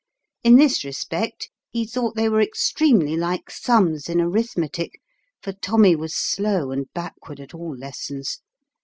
In this respect he thought they were extremely like sums in arithmetic, for Tommy was slow and backward at all lessons.